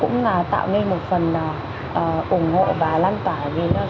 cũng là tạo nên một phần ủng hộ và lan tỏa được trong giới trẻ